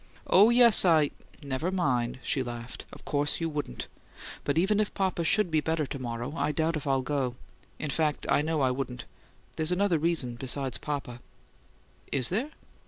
"Oh, yes, I " "Never mind!" she laughed. "Of course you wouldn't. But even if papa should be better to morrow, I doubt if I'd go. In fact, I know I wouldn't. There's another reason besides papa." "Is there?"